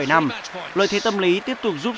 bảy năm lợi thế tâm lý tiếp tục giúp